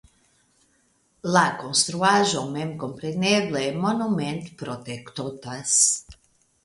La konstruaĵo memkompreneble monumentprotektotas.